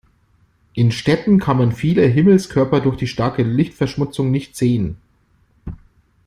In Städten kann man viele Himmelskörper durch die starke Lichtverschmutzung nicht sehen.